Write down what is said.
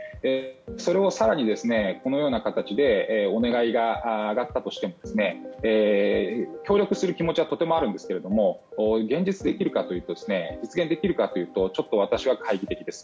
それを更に、このような形でお願いが上がったとしても協力する気持ちはとてもあるんですが現実に実現できるかというと私は懐疑的です。